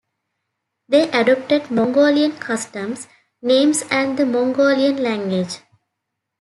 They adopted Mongolian customs, names and the Mongolian language.